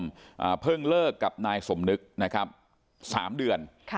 นางประนอมเพิ่งเลิกกับนายสมนึก๓เดือน